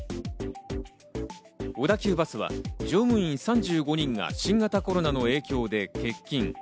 小田急バスは乗務員３５人が新型コロナの影響で欠勤。